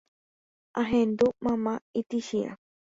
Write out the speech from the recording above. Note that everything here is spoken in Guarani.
ahendu mama itĩchiã